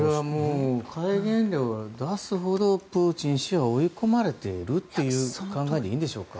戒厳令を出すほどプーチン氏は追い込まれているという考えでいいんでしょうか。